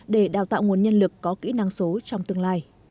để đào tạo nguồn nhân lực có kỹ năng số trong tương lai